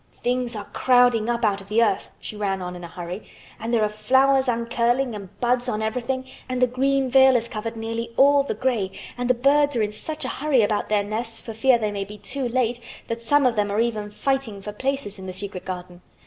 "Things are crowding up out of the earth," she ran on in a hurry. "And there are flowers uncurling and buds on everything and the green veil has covered nearly all the gray and the birds are in such a hurry about their nests for fear they may be too late that some of them are even fighting for places in the secret garden.